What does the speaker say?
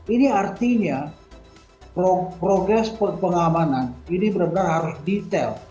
ini artinya progres pengamanan ini benar benar harus detail